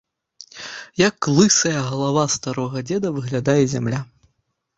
Як лысая галава старога дзеда, выглядае зямля.